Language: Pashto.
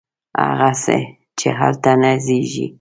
هغه څه، چې هلته نه زیږي